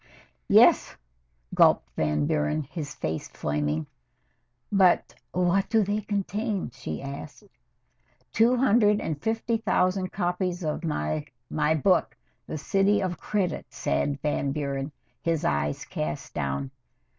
"Yes," gulped Van Buren, his face flaming. "But what do they contain?" she asked. "Two hundred and fifty thousand copies of my my book 'The City of Credit,'" said Van Buren, his eyes cast down.